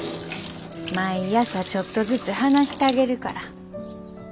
毎朝ちょっとずつ話したげるから。